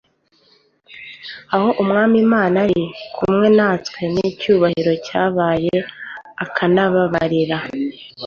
aho Umwami Imana iri kumwe natwe w'icyubahiro yabaye, akahababarira,